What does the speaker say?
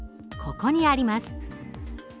ここにあります。